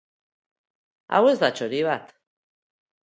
Hau ez da txori bat.